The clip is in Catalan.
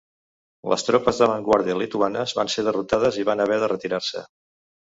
Les tropes d'avantguarda lituanes van ser derrotades i van haver de retirar-se.